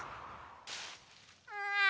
ああ。